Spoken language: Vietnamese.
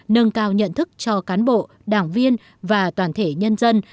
nâng cao nhận thức cho cán bộ đảng viên và toàn thể nhân dân